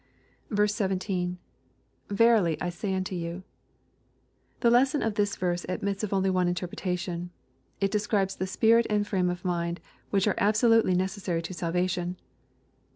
17. — [Verily I my unto you, dfc] The lesson of this verse admits of only one interpretation. It describes the spirit and frame of mind which are absolutely necessary to salvation.